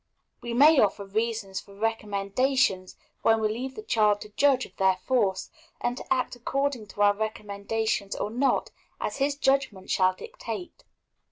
We may offer reasons for recommendations, when we leave the child to judge of their force, and to act according to our recommendations or not, as his judgment shall dictate.